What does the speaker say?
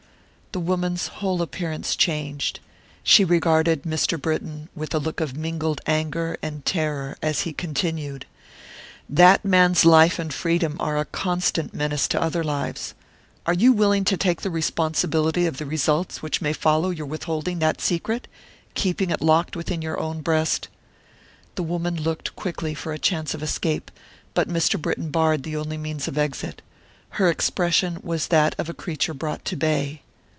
The woman's whole appearance changed; she regarded Mr. Britton with a look of mingled anger and terror, as he continued: "That man's life and freedom are a constant menace to other lives. Are you willing to take the responsibility of the results which may follow your withholding that secret, keeping it locked within your own breast?" The woman looked quickly for a chance of escape, but Mr. Britton barred the only means of exit. Her expression was that of a creature brought to bay.